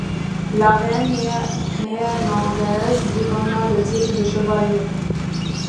La reine néerlandaise lui donna le titre de chevalier.